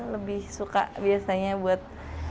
lebih suka biasanya buat